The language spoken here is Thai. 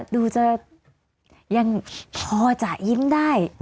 ดูจะยังพอจะยิ้มได้